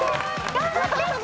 頑張って。